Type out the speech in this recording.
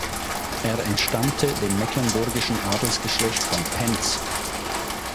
Er entstammte dem mecklenburgischen Adelsgeschlecht von Pentz.